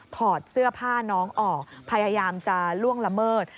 ถอดเสื้อผ้าน้องออกพยายามจะล่วงละเมิด